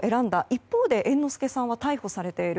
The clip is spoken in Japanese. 一方で猿之助さんは逮捕されている。